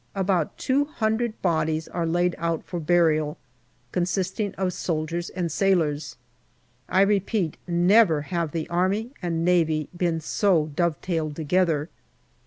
About two hundred bodies are laid out for burial, consisting of soldiers and sailors. I repeat, never have the Army and Navy been so dovetailed together.